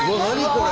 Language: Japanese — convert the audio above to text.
これ。